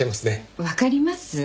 わかります？